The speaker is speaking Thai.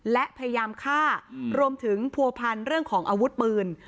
และพยายามฆ่ารวมถึงผัวพันธ์เรื่องของอาวุธปืน